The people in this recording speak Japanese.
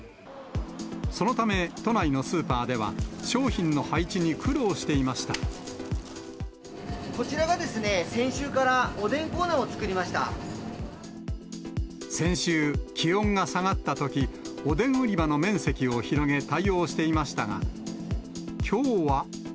そのため、都内のスーパーでは、こちらがですね、先週からお先週、気温が下がったとき、おでん売り場の面積を広げ、対応していましたが、きょうは。